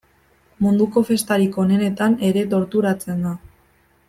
Munduko festarik onenetan ere torturatzen da.